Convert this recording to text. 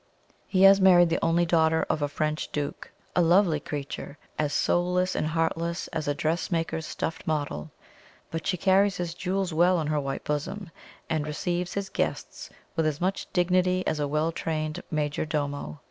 He has married the only daughter of a French Duke a lovely creature, as soulless and heartless as a dressmaker's stuffed model; but she carries his jewels well on her white bosom, and receives his guests with as much dignity as a well trained major domo.